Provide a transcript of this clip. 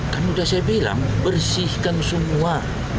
kan sudah saya bilang bersihkan semua